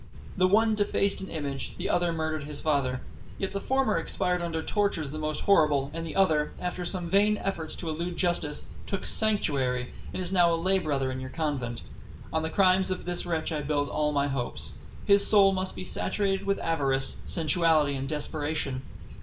The one defaced an image, the other murdered his father: Yet the former expired under tortures the most horrible, and the other, after some vain efforts to elude justice, took sanctuary, and is now a lay brother in your convent. On the crimes of this wretch I build all my hopes. His soul must be saturated with avarice, sensuality, and desperation.